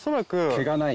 毛がない。